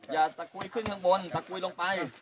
อย่าตะกุยขึ้นข้างบนตะกุยลงไป